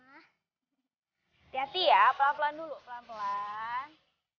hati hati ya pelan pelan dulu pelan pelan